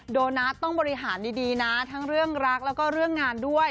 โดนัทต้องบริหารดีนะทั้งเรื่องรักแล้วก็เรื่องงานด้วย